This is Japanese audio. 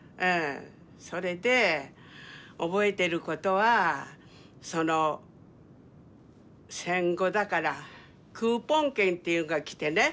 それで覚えてることはその戦後だからクーポン券っていうんが来てね